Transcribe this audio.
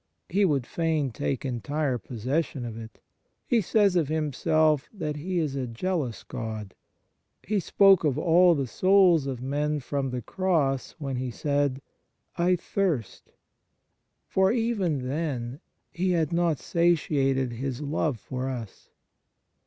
He would fain take entire possession of it. He says of Himself that He is a jealous God. He spoke to all the souls of men from the Cross when He said: " I thirst." For even then He had not satisfied His love for us.